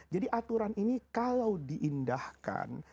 jadi aturan ini kalau diindahkan